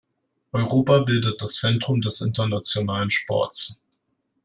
Europa bildet das Zentrum des internationalen Sports.